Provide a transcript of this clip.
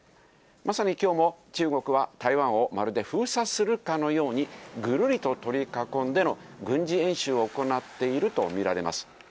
まさにきょうも、中国は台湾をまるで封鎖するかのように、ぐるりと取り囲んでの軍事演習を行っていると見られます。